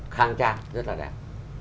khang trang rất là đẹp